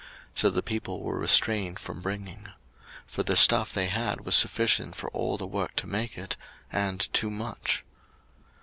So the people were restrained from bringing. 02:036:007 For the stuff they had was sufficient for all the work to make it, and too much.